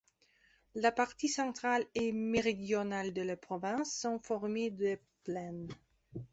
La partie centrale et méridionale de la province sont formées de plaines.